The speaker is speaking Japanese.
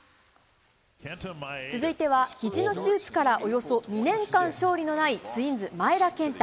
続いてはひじの手術からおよそ２年間勝利のない、ツインズ、前田健太。